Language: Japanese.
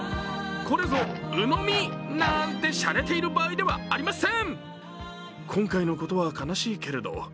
これぞ鵜のみなんてしゃれている場合ではありません。